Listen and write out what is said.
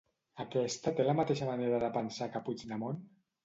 Aquesta té la mateixa manera de pensar que Puigdemont?